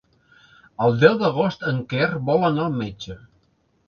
El deu d'agost en Quer vol anar al metge.